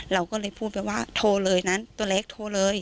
เราก็เลยพูดไปว่าโทรเลยนั้นตัวเล็กโทรเลย